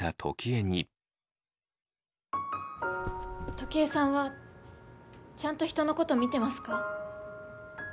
時枝さんはちゃんと人のこと見てますか？